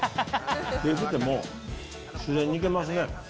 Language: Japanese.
冷えてても自然にいけますね。